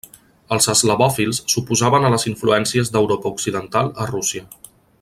Els eslavòfils s'oposaven a les influències d’Europa Occidental a Rússia.